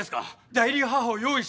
代理母を用意して。